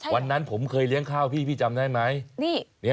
วันนั้นผมเคยเลี้ยงข้าวพี่พี่จำได้ไหม